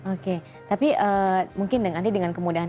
oke tapi mungkin nanti dengan kemudahan